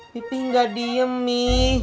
pipi gak diem mi